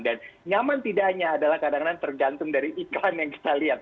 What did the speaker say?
dan nyaman tidak hanya adalah kadang kadang tergantung dari iklan yang kita lihat